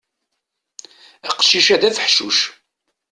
Aqcic-a d afeḥcuc.